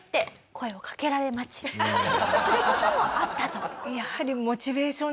する事もあったと。